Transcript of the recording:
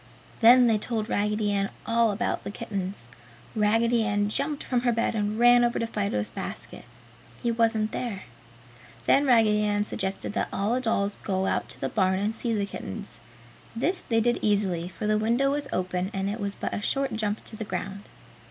Then they told Raggedy Ann all about the kittens. Raggedy Ann jumped from her bed and ran over to Fido's basket; he wasn't there. Then Raggedy suggested that all the dolls go out to the barn and see the kittens. This they did easily, for the window was open and it was but a short jump to the ground.